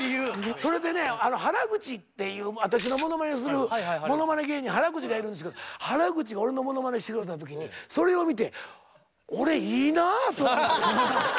それでね原口っていう私のものまねするものまね芸人原口がいるんですけど原口が俺のものまねしてくれた時にそれを見て「俺いいな」と。